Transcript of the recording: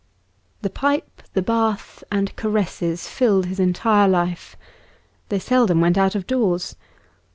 The pipe, the bath, and caresses filled his entire life. They seldom went out of doors.